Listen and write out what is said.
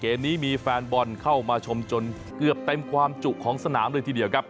นี้มีแฟนบอลเข้ามาชมจนเกือบเต็มความจุของสนามเลยทีเดียวครับ